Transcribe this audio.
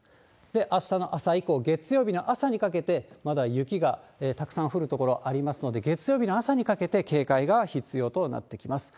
あしたの朝以降、月曜日の朝にかけて、まだ雪がたくさん降る所ありますので、月曜日の朝にかけて警戒が必要となってきます。